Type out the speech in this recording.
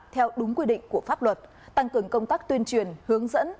theo đúng quy định của pháp luật tăng cường công tác tuyên truyền hướng dẫn